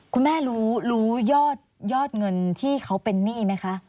คุณแม่รู้รู้ยอดเงินที่เขาเป็นหนี้ไหมคะ